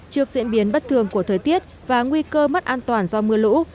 trước diễn biến bất thường của thời tiết và nguy cơ mất an toàn do mưa lũ